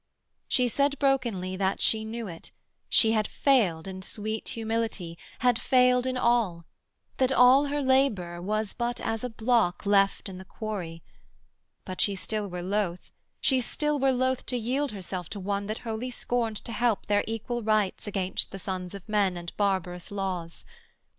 She said Brokenly, that she knew it, she had failed In sweet humility; had failed in all; That all her labour was but as a block Left in the quarry; but she still were loth, She still were loth to yield herself to one That wholly scorned to help their equal rights Against the sons of men, and barbarous laws.